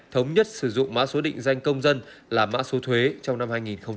thống nhất sử dụng mã số định danh công dân là mã số thuế trong năm hai nghìn hai mươi